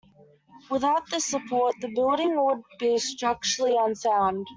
Without this support, the building would be structurally unsound.